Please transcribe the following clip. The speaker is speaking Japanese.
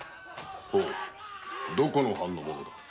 ほうどこの藩の者だ？